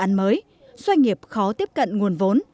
gấp phép dự án mới doanh nghiệp khó tiếp cận nguồn vốn